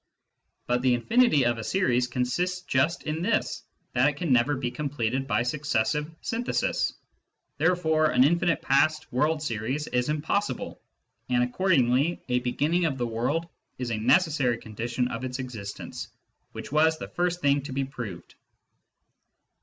But the infinity of a series consists just in this, that it can never be completed by successive synthesis. Therefore an infinite past world series is impossible, and accordingly a beginning of the world is a necessary condition of its existence ; which was the first thing to be proved."